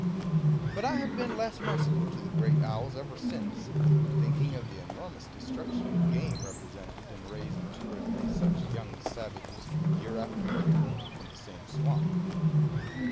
But I have been less merciful to the great owls ever since, thinking of the enormous destruction of game represented in raising two or three such young savages, year after year, in the same swamp.